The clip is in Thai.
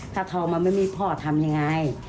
ถ้าทองมันไม่มีพ่อทำยังไง